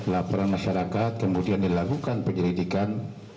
laporan masyarakat kemudian dilakukan penyelidikan